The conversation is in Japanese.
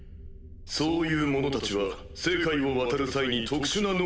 そういう者たちは世界を渡る際に特殊な能力を獲得するらしい。